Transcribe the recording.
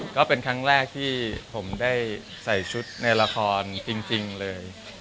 ก็เป็นครั้งแรกที่ผมได้ใส่ชุดในละครจริงเลย